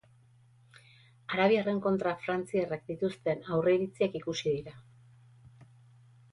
Arabiarren kontra frantziarrek dituzten aurre-iritziak ikusi dira.